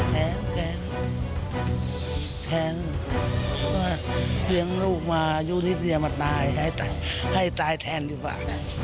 แทนแทนแทนเรียงลูกมายูธิเตียมาตายให้ตายแทนดีกว่า